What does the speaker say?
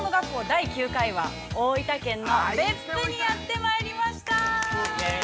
第９回は、大分県の別府にやってまいりましたー。